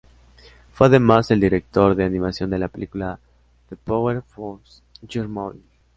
Fue además el director de animación de la película "The Powerpuff Girls Movie".